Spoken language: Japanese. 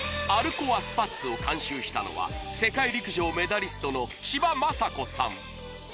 コアスパッツを監修したのは世界陸上メダリストの千葉真子さん